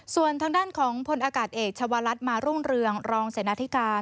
ส่วนทางด้านของพลอากาศเอกชาวรัฐมารุ่งเรืองรองเสนาธิการ